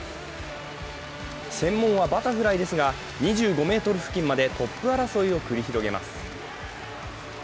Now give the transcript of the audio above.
専門はバタフライですが、２５ｍ付近までトップ争いを繰り広げます。